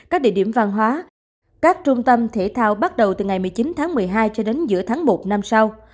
các địa điểm văn hóa các trung tâm thể thao bắt đầu từ ngày một mươi chín tháng một mươi hai cho đến giữa tháng một năm sau